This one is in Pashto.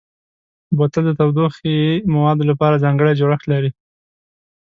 بوتل د تودوخهيي موادو لپاره ځانګړی جوړښت لري.